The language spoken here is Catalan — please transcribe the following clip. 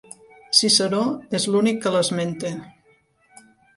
Ciceró és l'únic que l'esmenta.